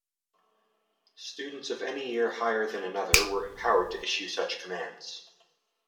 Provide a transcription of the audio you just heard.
Students of any year higher than another were empowered to issue such commands.